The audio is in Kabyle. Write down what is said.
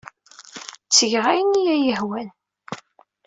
Ttgeɣ ayen ay iyi-yehwan.